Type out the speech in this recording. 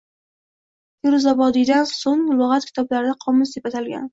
Feruzobodiydan so‘ng lug‘at kitoblari “qomus” deb atalgan.